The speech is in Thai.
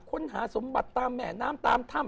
ค้นหาสมบัติตามแม่น้ำตามถ้ำ